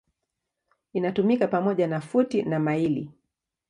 Inatumika pamoja na futi na maili.